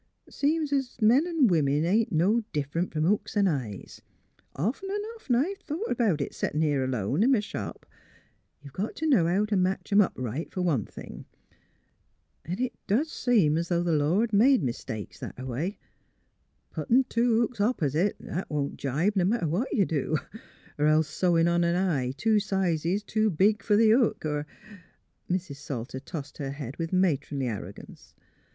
Seems 's 'o' men an' women ain't no differ 'nt from hooks 'n' eyes; often an' often I've thought about it, settin' here alone in m' shop. You got t' know how t' match 'em up right, fer one thing, — 'n' it doos seem 's 'o' th' Lord made mis takes that a Avay; puttin' two hooks op 'site 'at won't gibe, n' matter what you do; 'r else sewin' on an eye two sizes too big fer the hook, er " ■Mrs. Salter tossed her head, \^ith matronly arrogance.